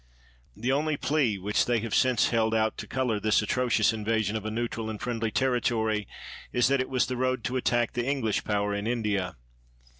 The only plea which they have since held out to color this atrocious invasion of a neutral and friendly territory is that it was the road 12 PITT to attack the English power in India.